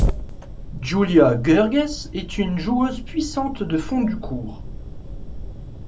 Julia Görges est une joueuse puissante de fond du court.